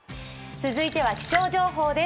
続いては気象情報です。